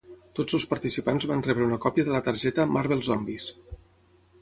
Tots els participants van rebre una còpia de la targeta Marvel Zombies.